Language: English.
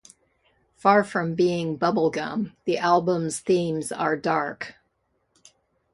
Far from being bubblegum, the album's themes are dark.